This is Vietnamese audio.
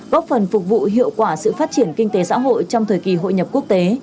góp phần phục vụ hiệu quả sự phát triển kinh tế xã hội trong thời kỳ hội nhập quốc tế